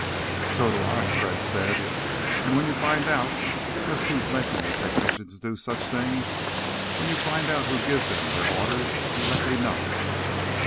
"So do I," Fred said. "And when you find out just who's making the technicians do such things—when you find out who gives them their orders—you let me know."